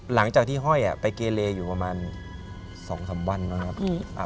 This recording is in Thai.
หลังจากที่ห้อยไปเกเลอยู่ประมาณ๒๓วันนะครับ